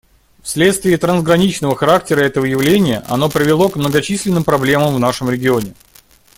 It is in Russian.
Вследствие трансграничного характера этого явления оно привело к многочисленным проблемам в нашем регионе.